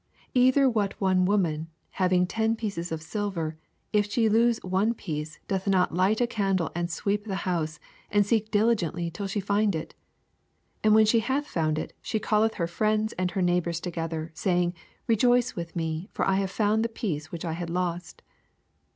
8 Either what woman having ten pieces of silver, if she lose one piece, doth not light a candle, and sweep the house, and seek diligently till she find U f 9 And when she hath found it^ she calleth her friends and her neij^h bors together, snying, Rejoice with me ; for>I have found the pieoe which I had lost.